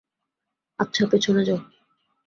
আচ্ছা, পেছনে যাও।